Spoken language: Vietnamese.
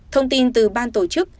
thông tin từ ban tổ chức